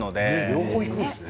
両方いくんですね。